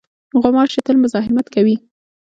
غوماشې تل مزاحمت کوي.